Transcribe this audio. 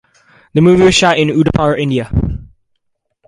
This movie was shot in Udaipur, India.